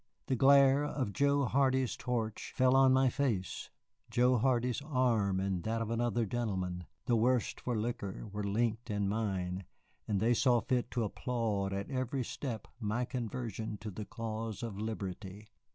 The glare of Joe Handy's torch fell on my face, Joe Handy's arm and that of another gentleman, the worse for liquor, were linked in mine, and they saw fit to applaud at every step my conversion to the cause of Liberty.